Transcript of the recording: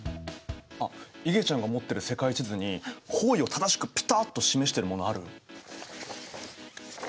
あっいげちゃんが持ってる世界地図に方位を正しくピタッと示してるものある？